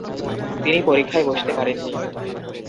তিনি পরীক্ষায় বসতে পারেননি।